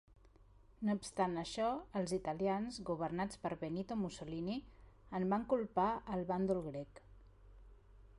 No obstant això, els italians, governats per Benito Mussolini, en van culpar el bàndol grec.